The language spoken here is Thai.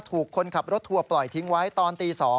คนขับรถทัวร์ปล่อยทิ้งไว้ตอนตี๒